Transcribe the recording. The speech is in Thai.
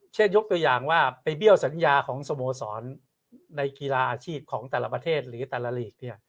ยกตัวอย่างว่าไปเบี้ยวสัญญาของสโมสรในกีฬาอาชีพของแต่ละประเทศหรือแต่ละลีก